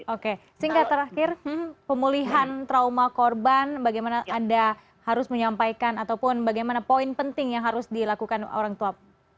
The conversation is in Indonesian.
oke singkat terakhir pemulihan trauma korban bagaimana anda harus menyampaikan ataupun bagaimana poin penting yang harus dilakukan orang tua